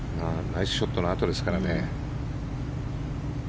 ナイスショットのあとですからね。